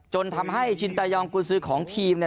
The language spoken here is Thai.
จนทำให้ชินตายองกุญซือของทีมเนี่ย